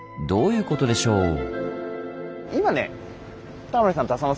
どういうことでしょう？